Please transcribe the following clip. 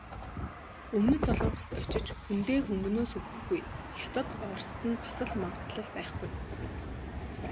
Өмнөд Солонгост очиж хүндээ хөнгөнөөс өгөхгүй, Хятад, Орост нь бас л магадлал байхгүй.